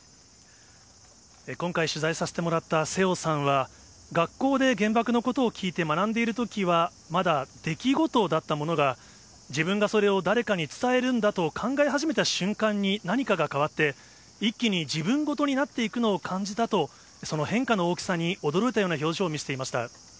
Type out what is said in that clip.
今回、取材させてもらった、瀬尾さんは、学校で原爆のことを聞いて学んでいるときは、まだ出来事だったものが、自分がそれを誰かに伝えるんだと考え始めた瞬間に、何かが変わって、一気に自分事になっていくのを感じたと、その変化の大きさに驚いたような表情を見せていました。